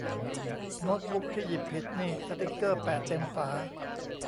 โน๊ตบุ๊กที่หยิบผิดนี่สติ๊กเกอร์แปะเต็มฝา